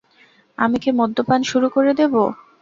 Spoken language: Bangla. আমি কি মদ্যপান শুরু করে দেব?